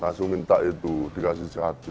langsung minta itu dikasih satu